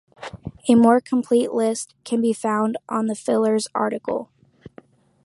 A more complete list can be found on the fillers article.